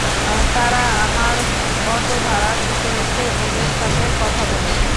তারা আমার অটো ভাড়া করেছে ওদের সাথে কথা বলো।